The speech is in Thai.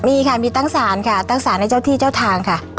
มีค่ะมีตั้งสารค่ะตั้งสารให้เจ้าที่เจ้าทางค่ะ